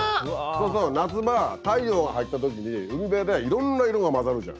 夏場太陽が入った時に海辺でいろんな色が混ざるじゃん。